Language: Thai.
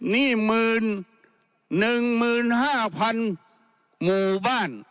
นี่๑๑๕๐๐๐หมู่บ้าน